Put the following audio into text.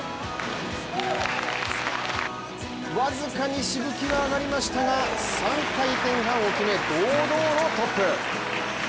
僅かにしぶきは上がりましたが３回転半を決め、堂々のトップ。